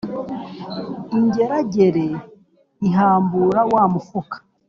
ingeragere ihambura wa mufuka